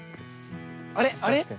あれ？